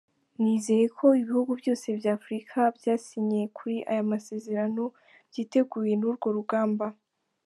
Nizeye ko ibihugu byose bya Afurika byasinye kuri ariya masezerano byiteguye n’urwo rugamba.